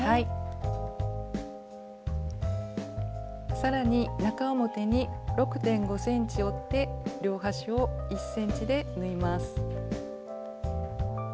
さらに中表に６．５ｃｍ折って両端を１ｃｍで縫います。